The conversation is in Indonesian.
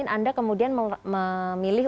anda kemudian memilih